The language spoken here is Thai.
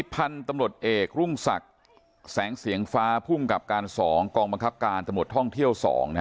พันธุ์ตำรวจเอกรุ่งศักดิ์แสงเสียงฟ้าภูมิกับการ๒กองบังคับการตำรวจท่องเที่ยว๒